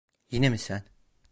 Yine mi sen?